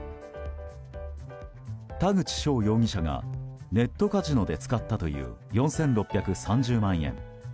田口翔容疑者がネットカジノで使ったという４６３０万円。